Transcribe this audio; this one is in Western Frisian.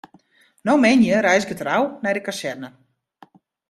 No moandei reizget er ôf nei de kazerne.